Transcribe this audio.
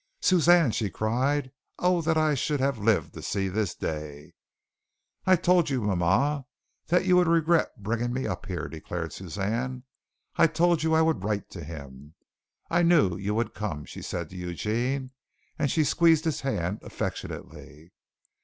"Suzanne!" she cried. "Oh, that I should have lived to see this day!" "I told you, mama, that you would regret bringing me up here," declared Suzanne. "I told you I would write to him. I knew you would come," she said to Eugene, and she squeezed his hand affectionately.